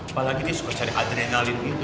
apalagi dia suka cari adrenalin gitu